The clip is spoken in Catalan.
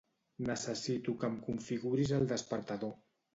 Necessito que em configuris el despertador.